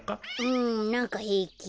うんなんかへいき。